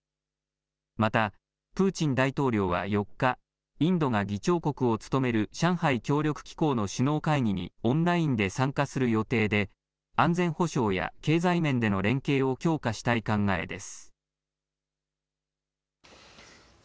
またプーチン大統領は４日、インドが議長国を務める上海協力機構の首脳会議にオンラインで参加する予定で安全保障や経済面での連携を強化したい考えです。